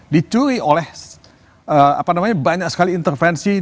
dicuri oleh apa namanya banyak sekali intervensi